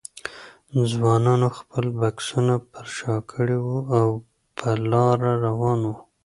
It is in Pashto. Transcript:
ځوانانو خپل بکسونه پر شا کړي وو او په لاره روان وو.